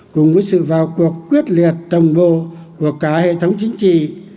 cùng với sự vào cuộc quyết liệt đồng bộ của cả hệ thống chính trị